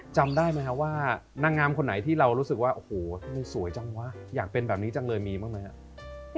จำได้ไหมครับว่านางงามคนไหนที่เรารู้สึกว่าโอ้โหมันสวยจังวะอยากเป็นแบบนี้จังเลยมีบ้างไหมครับ